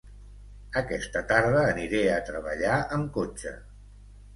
Aquesta tarda aniré a treballar amb cotxe